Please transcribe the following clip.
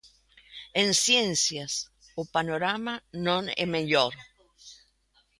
En Ciencias o panorama non é mellor.